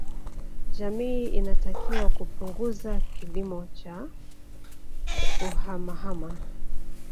Jamii inatakiwa kupunguza kilimo cha kuhamahama